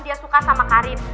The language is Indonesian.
dia suka sama karin